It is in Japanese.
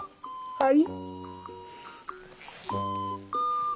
はい。